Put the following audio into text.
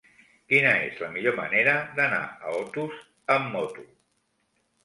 Quina és la millor manera d'anar a Otos amb moto?